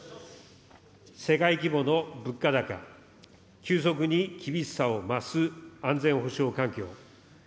世界規模の物価高、急速に厳しさを増す、安全保障環境。